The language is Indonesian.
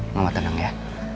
mama tenang ya